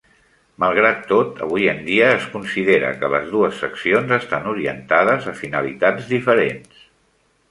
Malgrat tot, avui en dia es considera que les dues seccions estan orientades a finalitats diferents.